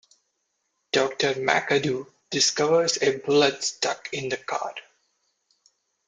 Doctor McAdoo discovers a bullet stuck in the car.